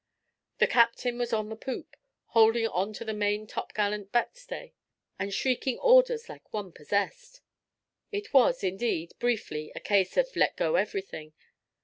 The captain was on the poop, holding on to the main topgallant backstay, and shrieking orders like one possessed. It was, indeed, briefly, a case of "Let go everything!"